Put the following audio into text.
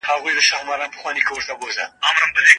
سياسي واک مه غوښه که د خلګو رښتنی خدمت نه کوې.